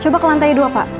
coba ke lantai dua pak